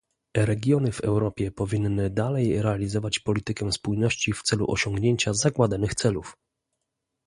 Regiony w Europie powinny dalej realizować politykę spójności w celu osiągnięcia zakładanych celów